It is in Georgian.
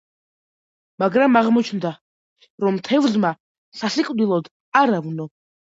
მაგრამ აღმოჩნდება, რომ თევზმა სასიკვდილოდ არ ავნო.